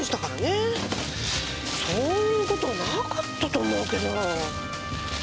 そういう事なかったと思うけど。